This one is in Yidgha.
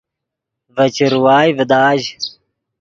ڤے چروائے ڤداژ